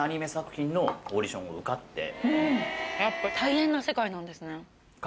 やっぱ大変な世界なんですね。